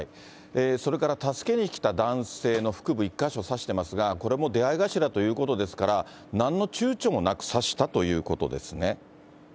それから助けにきた男性の腹部１か所刺してますが、これも出会い頭ということですから、なんのちゅうちょもなく刺したということですね。